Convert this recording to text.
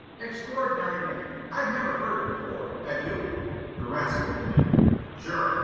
"Extraordinary name. I've never heard it before, have you?" The rascal blinked. "Sure.